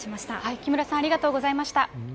木村さん、ありがとうございました。